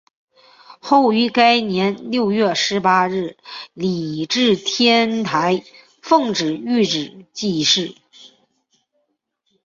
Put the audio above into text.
后于该年六月十八日礼置天台奉领玉旨济世。